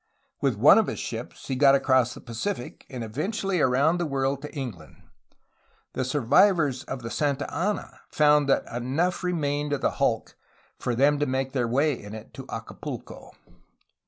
With one of his ships, he got across the Pacific, and eventually around the world to England. The survivors of the Santa Ana found that enough 116 A HISTORY OF CALIFORNIA remained of the hulk for them to make their way in it to Acapulco.